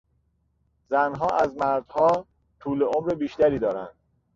زنها از مردها طول عمر بیشتری دارند.